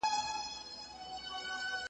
شمع نه په زړه کي دښمني لري .